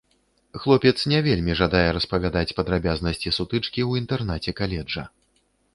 Хлопец не вельмі жадае распавядаць падрабязнасці сутычкі ў інтэрнаце каледжа.